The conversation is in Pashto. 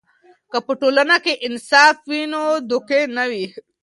که په ټولنه کې انصاف وي، نو دوکې نه وي.